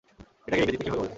এটাকে ইংরেজিতে কিভাবে বলে?